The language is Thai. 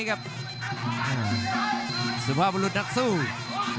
รับทราบบรรดาศักดิ์